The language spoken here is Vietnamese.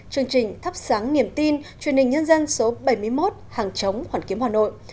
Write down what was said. chương trình thắp sáng niềm tin truyền hình nhân dân số bảy mươi một hàng chống hoàn kiếm hà nội